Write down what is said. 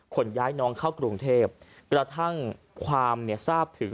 ขนย้ายน้องเข้ากรุงเทพกระทั่งความเนี่ยทราบถึง